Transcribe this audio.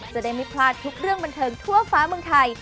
จะได้ไม่พลาดทุกเรื่องบันเทิงทั่วฟ้าเมืองไทย